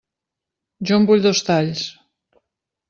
Jo en vull dos talls.